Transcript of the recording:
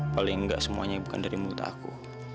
paling nggak semuanya bukan dari mutaku